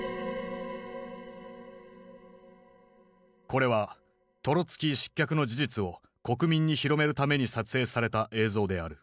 これはトロツキー失脚の事実を国民に広めるために撮影された映像である。